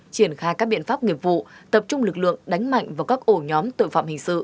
triển khai các biện pháp nghiệp vụ tập trung lực lượng đánh mạnh vào các ổ nhóm tội phạm hình sự